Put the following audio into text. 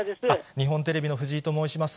日本テレビの藤井と申します。